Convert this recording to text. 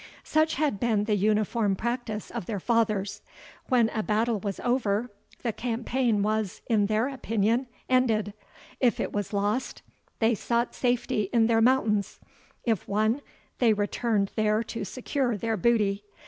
Such had been the uniform practice of their fathers. When a battle was over, the campaign was, in their opinion, ended; if it was lost, they sought safety in their mountains if won, they returned there to secure their booty.